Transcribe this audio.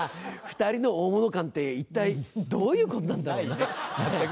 ２人の大物感って一体どういうことなんだろうね？